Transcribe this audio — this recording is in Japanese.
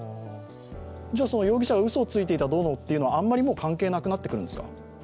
容疑者がうそをついていたどうのというのは、あんまり関係なくなってくるんですか。